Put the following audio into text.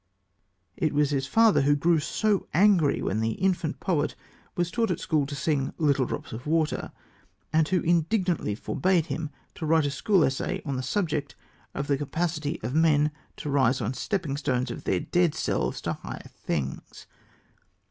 It was his father who grew so angry when the infant poet was taught at school to sing "Little drops of water," and who indignantly forbade him to write a school essay on the subject of the capacity of men to rise on stepping stones of their dead selves to higher things.